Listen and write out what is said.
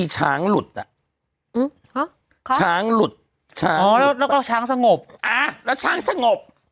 ช้างหลุดช้างหลุดอ๋อแล้วก็ช้างสงบอ่าแล้วช้างสงบอ๋อ